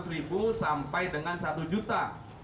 lima ratus ribu sampai dengan satu juta